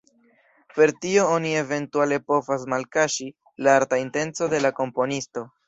Per tio oni eventuale povas malkaŝi la arta intenco de la komponisto.